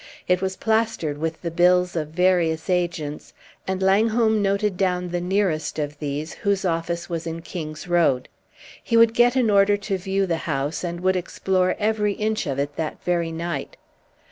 It was plastered with the bills of various agents, and Langholm noted down the nearest of these, whose office was in King's Road. He would get an order to view the house, and would explore every inch of it that very night.